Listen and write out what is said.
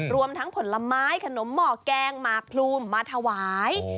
รวมทั้งผลไม้ขนมหมอแกงหมากพลูมมาถวาย